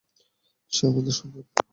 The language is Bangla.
সে আমাদের সন্তান।